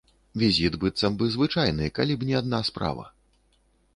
Візіт быццам бы звычайны, калі б не адна справа.